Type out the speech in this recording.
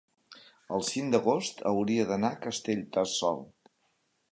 el cinc d'agost hauria d'anar a Castellterçol.